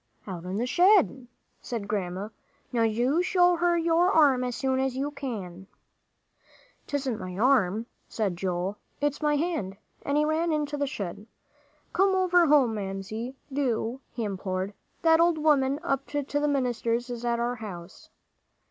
"Out in the shed," said Grandma. "Now you show her your arm as soon as you can." "Tisn't my arm," said Joel, "it's my hand," and he ran into the shed. "Come over home, Mamsie, do," he implored. "That old woman up to the minister's is at our house."